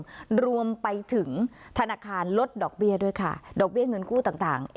รวมไปถึงธนาคารลดดอกเบี้ยด้วยค่ะดอกเบี้ยเงินกู้ต่างต่าง